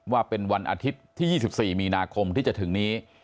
ว่าเป็นวันอาทิตย์ที่๒๔มีนาคมที่จะถึงนี้